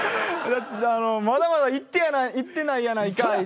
「まだまだいってないやないか」いうて。